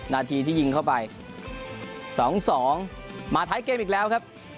นาทีที่ยิงเข้าไป๒๒มาท้ายเกมอีกแล้วครับ